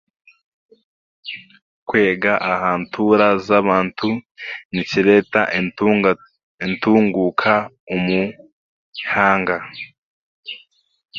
Kweega aha ntuura z'abantu nikireta entuguka omw'eihanga.